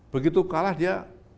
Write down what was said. begitu kalah dia